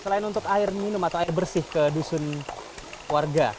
selain untuk air minum atau air bersih ke dusun warga